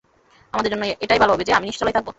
আমাদের জন্য এটাই ভাল হবে যে, আমি নিচতলায় থাকব।